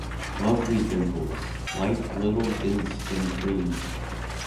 Lovely dimples, like little dents in cream.